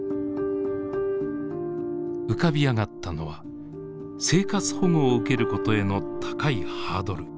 浮かび上がったのは生活保護を受けることへの高いハードル。